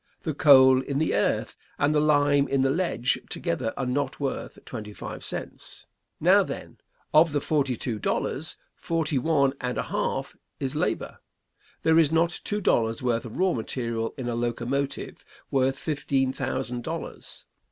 The coal in the earth and the lime in the ledge together are not worth twenty five cents. Now, then, of the forty two dollars, forty one and a half is labor. There is not two dollars' worth of raw material in a locomotive worth fifteen thousand dollars.